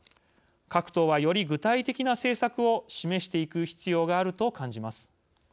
各党は、より具体的な政策を示していく必要があると感じます。